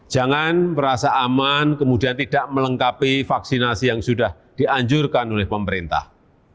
jangan merasa aman kemudian tidak melengkapi vaksinasi yang sudah dianjurkan oleh pemerintah